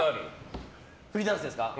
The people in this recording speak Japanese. フリーダンスですか？